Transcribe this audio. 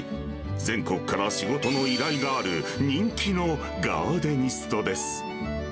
全国から仕事の依頼がある人気のガーデニストです。